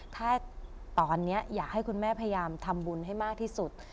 ถ้าตอนนี้อยากให้คุณแม่พยายามทำบุญให้มากที่สุด